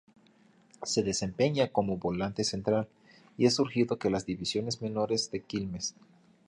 Se desempeña como volante central, y es surgido de las divisiones menores de Quilmes.